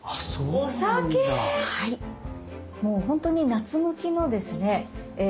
もうほんとに夏向きのですね